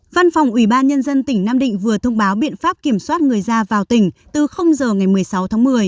văn phòng ủy ban nhân dân tỉnh nam định vừa thông báo biện pháp kiểm soát người ra vào tỉnh từ giờ ngày một mươi sáu tháng một mươi